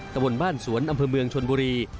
ตะบนบ้านสวนอำเภอเมืองชนบุรี